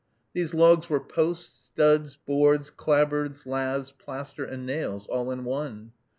These logs were posts, studs, boards, clapboards, laths, plaster, and nails, all in one.